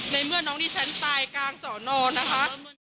ในเมื่อน้องดิฉันตายกลางสอนอนนะคะ